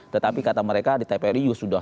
tetapi kata mereka di tpri juga sudah